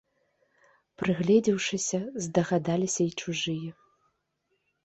Прыгледзеўшыся, здагадаліся і чужыя.